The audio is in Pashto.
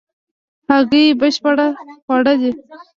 هګۍ بشپړ خواړه دي